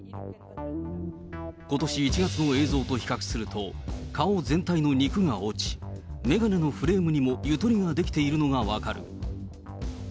ことし１月の映像と比較すると、顔全体の肉が落ち、眼鏡のフレームにもゆとりができているのが分かる。